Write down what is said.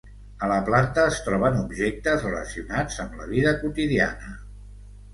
A la planta es troben objectes relacionats amb la vida quotidiana.